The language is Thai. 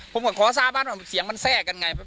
ผมก็ขอทราบบ้านว่าเสียงมันแทรกกันไง